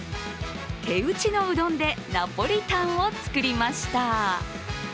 手打ちのうどんでナポリタンを作りました。